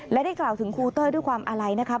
และได้กล่าวถึงครูเต้ยด้วยความอาลัยนะครับ